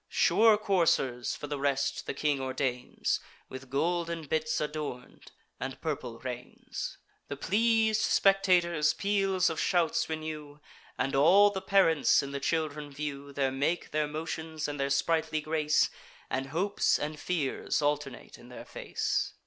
Sure coursers for the rest the king ordains, With golden bits adorn'd, and purple reins. The pleas'd spectators peals of shouts renew, And all the parents in the children view; Their make, their motions, and their sprightly grace, And hopes and fears alternate in their face.